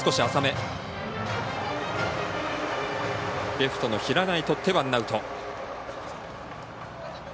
レフトの平内とってワンアウト。